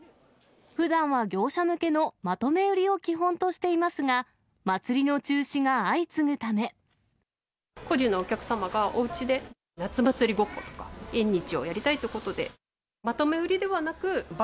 ふだんは業者向けのまとめ売りを基本としていますが、祭りの中止個人のお客様がおうちで夏祭りごっことか、縁日をやりたいということで。